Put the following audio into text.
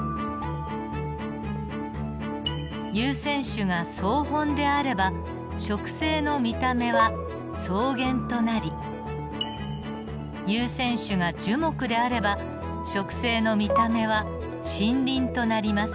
優占種が草本であれば植生の見た目は草原となり優占種が樹木であれば植生の見た目は森林となります。